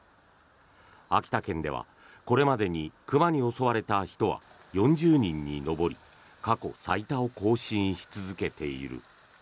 秋田県では、これまでに熊に襲われた人は４０人に上り過去最多を更新し続けている。